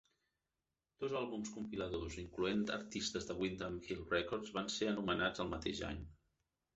Dos àlbums compiladors incloent artistes de Windham Hill Records van ser anomenats el mateix any.